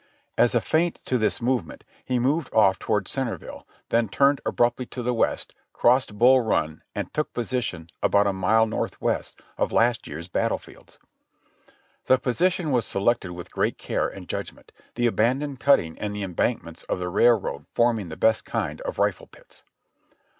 As a feint to this movement, he moved off toward Centerville, then turned abruptly to the M^est, crossed Bull Run and took position about a mile northwest of last year's battle fields. The position was selected with great care and judg ment; the abandoned cutting and the embankments of the rail road forming the best kind of rifle pits.